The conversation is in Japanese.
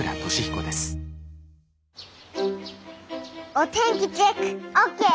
お天気チェックオーケー！